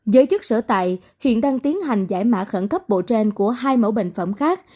giới chức sở tại hiện đang tiến hành giải mã khẩn cấp bộ trên của hai mẫu bệnh phẩm khác